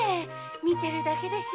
見てるだけで幸せ。